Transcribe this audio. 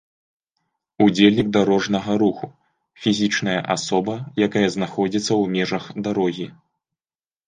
Удзельнік дарожнага руху — фізічная асоба, якая знаходзiцца ў межах дарогі